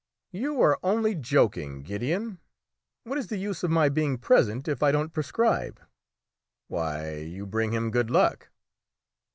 "You are only joking, Gideon! What is the use of my being present if I don't prescribe?" "Why, you bring him good luck!"